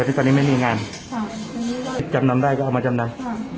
แล้วที่ตอนนี้ไม่มีงานใช่จำนำได้ก็เอามาจำนำอ่า